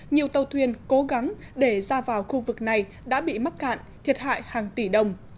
nhiều tàu thuyền cố gắng để ra vào khu vực này đã bị mắc cạn thiệt hại hàng tỷ đồng